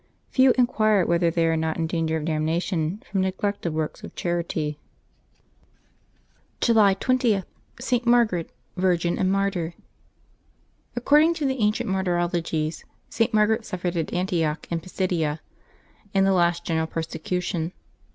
Few inquire whether they are not in danger of damnation from neglect of works of charity. 256 LIVES OF TEE SAINTS [July 20 July 20.— ST. MARGARET, Virgin and Martyr. a c CORDING to the ancient Martyrologies, St. Margaret suffered at Antioch in Pisidia, in the last general persecution.